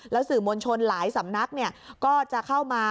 แล้วสื่อมนชนหลายสำนักเนี่ยก็จะเข้ามา